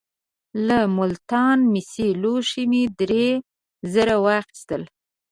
له ملتان مسي لوښي مې درې زره واخیستل.